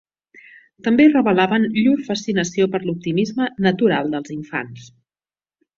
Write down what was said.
També revelaven llur fascinació per l'optimisme natural dels infants.